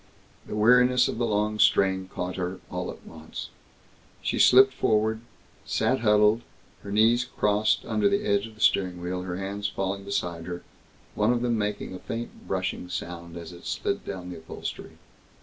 The weariness of the long strain caught her, all at once. She slipped forward, sat huddled, her knees crossed under the edge of the steering wheel, her hands falling beside her, one of them making a faint brushing sound as it slid down the upholstery.